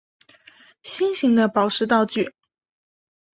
心形的宝石道具。